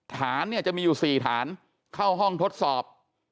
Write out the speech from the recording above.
ฐานเนี่ยจะมีอยู่๔ฐานเข้าห้องทดสอบ